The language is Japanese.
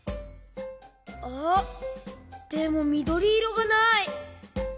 あっでもみどりいろがない。